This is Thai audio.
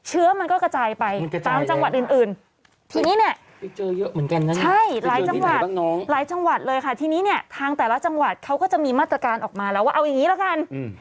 เอาอย่างนี้แล้วกัน